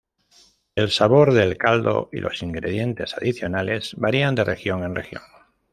El sabor del caldo y los ingredientes adicionales varían de región en región.